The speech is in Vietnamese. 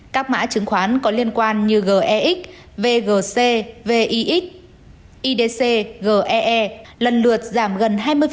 các mã chứng khoán có liên quan như gex vgc vix idc ge lần lượt giảm gần hai mươi